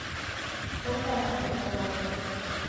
Oka na waka w'aw'i